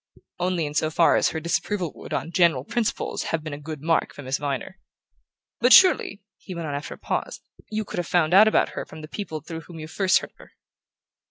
"Only in so far as her disapproval would, on general principles, have been a good mark for Miss Viner. But surely," he went on after a pause, "you could have found out about her from the people through whom you first heard of her?"